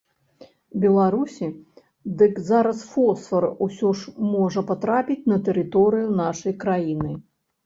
Беларусі, дык зараз фосфар усё ж можа патрапіць на тэрыторыю нашай краіны.